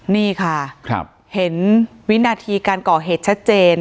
นี่ค่ะเห็นวินาทีการก่อเหตุชัดเจน